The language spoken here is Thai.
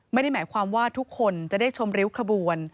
ไม่ได้หมายความว่าทุกคนจะได้ชมริ้วขบวน